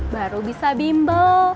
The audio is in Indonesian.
baru bisa bimbel